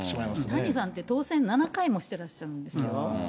谷さんって当選７回もしてらっしゃるんですよ。